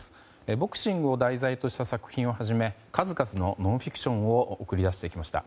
ボクシングを題材とした作品をはじめ数々のノンフィクションを世に送り出してきました。